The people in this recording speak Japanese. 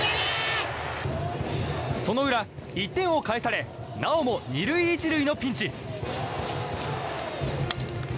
その裏、１点を返されなおも２塁１塁のピンチ。